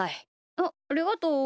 あっありがとう。